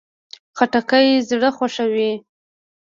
خټکی زړه خوښوي.